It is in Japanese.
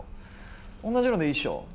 おんなじのでいいっしょ？